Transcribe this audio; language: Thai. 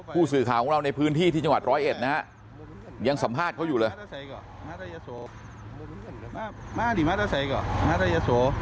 ผู้สื่อข่าวของเราในพื้นที่ที่จังหวัดร้อยเอ็ดนะฮะยังสัมภาษณ์เขาอยู่เลย